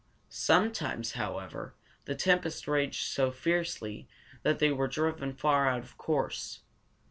Sometimes, however, the tempest raged so fiercely that they were driven far out of their course.